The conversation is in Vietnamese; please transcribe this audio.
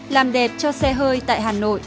làm đẹp cho xe hơi tại hà nội